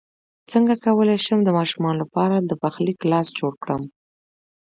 څنګه کولی شم د ماشومانو لپاره د پخلی کلاس جوړ کړم